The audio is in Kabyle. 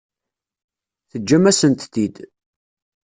Teǧǧam-asent-t-id.